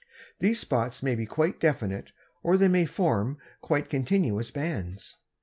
These spots may be quite definite or they may form quite continuous bands.